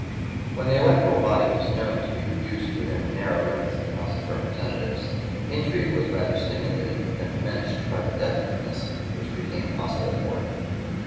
When the electoral body was known to be reduced within the narrow limits of the House of Representatives, intrigue was rather stimulated than diminished by the definiteness which became possible for it.